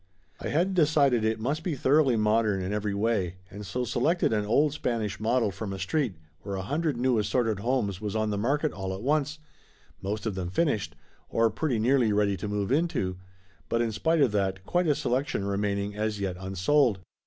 I had decided it must be thoroughly modern in every way, and so selected an old Spanish model from a street where a hundred new assorted homes was on the market all at once, most of them finished, or pretty nearly ready to move into, but in spite of that, quite a selection remaining as yet unsold.